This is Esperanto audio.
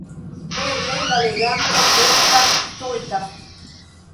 Eble, la leganto estas stulta.